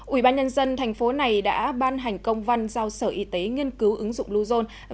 ủy ban nhân dân thành phố này đã ban hành công văn giao sở y tế nghiên cứu ứng dụng bluezone